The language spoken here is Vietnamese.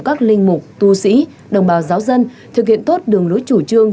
các linh mục tu sĩ đồng bào giáo dân thực hiện tốt đường lối chủ trương